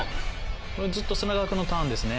ずっと砂川くんのターンですね。